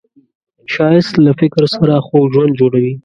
ښایست له فکر سره خوږ ژوند جوړوي